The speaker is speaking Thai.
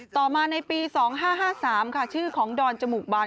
ต่อมาในปี๒๕๕๓ค่ะชื่อของดอนจมูกบาน